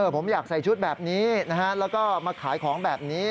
ผมอยากใส่ชุดแบบนี้นะฮะแล้วก็มาขายของแบบนี้